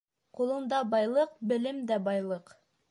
Ҡулың да байлыҡ, белем дә байлыҡ.